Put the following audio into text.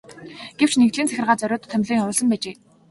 Гэвч нэгдлийн захиргаа зориуд томилон явуулсан байжээ.